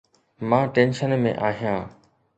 مان ٽينشن ۾ آهيان